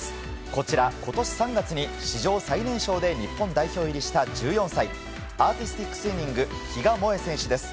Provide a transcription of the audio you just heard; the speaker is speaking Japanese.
こちら、今年３月に史上最年少で日本代表入りした１４歳アーティスティックスイミング比嘉もえ選手です。